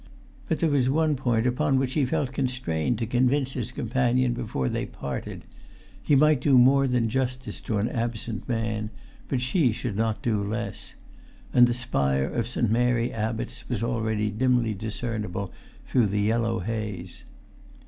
But there was one point upon which he felt constrained to convince his companion before they parted; he might do more than justice to an absent man; but she should not do less. And the spire of St. Mary Abbot's was already dimly discernible through the yellow haze.